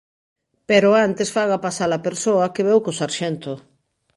Pero antes faga pasar a persoa que veu co sarxento.